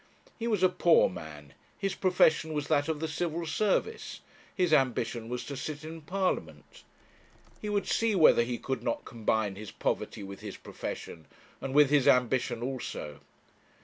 He was a poor man; his profession was that of the Civil Service; his ambition was to sit in Parliament. He would see whether he could not combine his poverty with his profession, and with his ambition also.